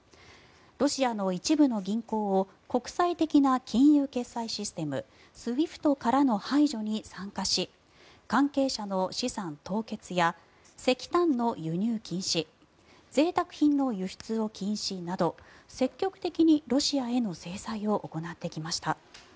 ロシアの一部の銀行を国際的な金融決済システムＳＷＩＦＴからの排除に参加し関係者の資産凍結や石炭の輸入禁止ぜいたく品の輸出禁止など積極的にロシアへの制裁を行ってきました。